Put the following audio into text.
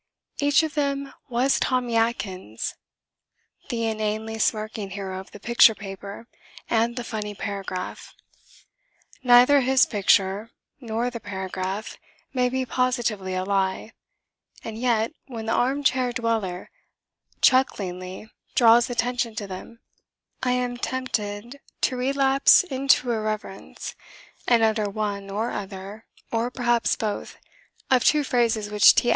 Each of them was Tommy Atkins the inanely smirking hero of the picture paper and the funny paragraph. Neither his picture nor the paragraph may be positively a lie, and yet, when the arm chair dweller chucklingly draws attention to them, I am tempted to relapse into irreverence and utter one or other (or perhaps both) of two phrases which T.